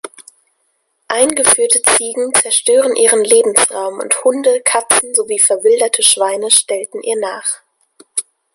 Eingeführte Ziegen zerstörten ihren Lebensraum und Hunde, Katzen sowie verwilderte Schweine stellten ihr nach.